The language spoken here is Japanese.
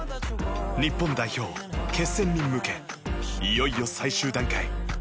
日本代表、決戦に向けいよいよ最終段階。